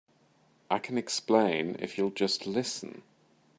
I can explain if you'll just listen.